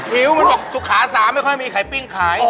หิวมันบอกสุขาสาไม่ค่อยมีไข่ปิ้งขาย